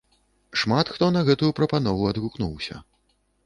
Шмат хто на гэтую прапанову адгукнуўся.